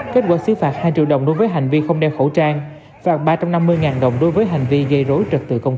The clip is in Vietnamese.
kết quả xứ phạt hai triệu đồng đối với hành vi không đeo khẩu trang phạt ba trăm năm mươi đồng đối với hành vi gây rối trật tự công cộng